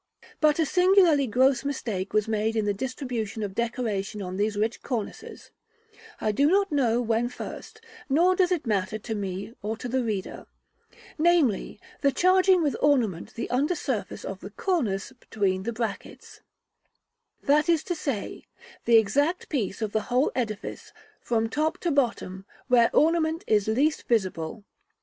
But a singularly gross mistake was made in the distribution of decoration on these rich cornices (I do not know when first, nor does it matter to me or to the reader), namely, the charging with ornament the under surface of the cornice between the brackets, that is to say, the exact piece of the whole edifice, from top to bottom, where ornament is least visible.